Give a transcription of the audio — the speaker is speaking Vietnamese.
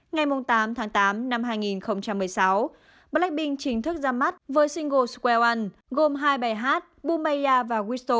ngày tám tháng tám năm hai nghìn một mươi sáu blackpink chính thức ra mắt với single square one gồm hai bài hát boombayah và whistle